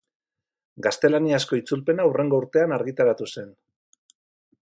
Gaztelaniazko itzulpena hurrengo urtean argitaratu zen.